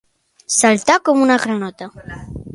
Saltar com una granota.